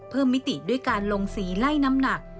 มิติด้วยการลงสีไล่น้ำหนัก